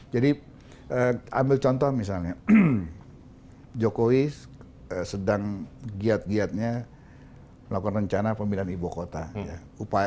jadi ambil contoh misalnya jokowi sedang giat giatnya melakukan rencana pemilihan ibu kota